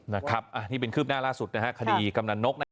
นะครับนี่เป็นคืบหน้าล่าสุดนะครับคดีกำหนันนก